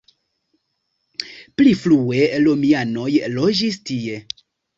Pri frue romianoj loĝis tie.